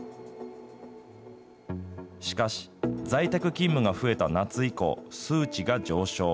しかし、在宅勤務が増えた夏以降、数値が上昇。